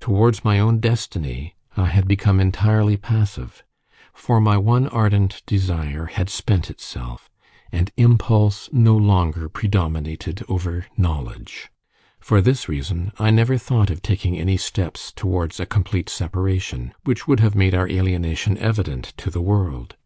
Towards my own destiny I had become entirely passive; for my one ardent desire had spent itself, and impulse no longer predominated over knowledge. For this reason I never thought of taking any steps towards a complete separation, which would have made our alienation evident to the world.